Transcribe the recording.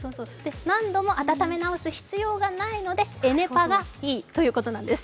何度も温め直す必要がないのでエネパがいいということなんです。